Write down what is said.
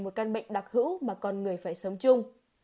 một căn bệnh đặc hữu mà con người phải sống chung